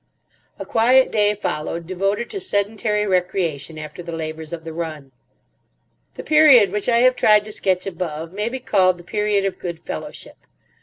A quiet day followed, devoted to sedentary recreation after the labours of the run. The period which I have tried to sketch above may be called the period of good fellowship.